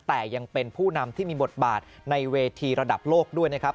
แต่ยังเป็นผู้นำที่มีบทบาทในเวทีระดับโลกด้วยนะครับ